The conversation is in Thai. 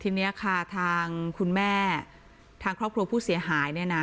ทีนี้ค่ะทางคุณแม่ทางครอบครัวผู้เสียหายเนี่ยนะ